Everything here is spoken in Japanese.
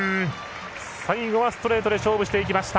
最後はストレートで勝負していきました。